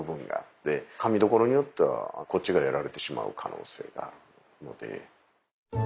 かみどころによってはこっちがやられてしまう可能性があるので。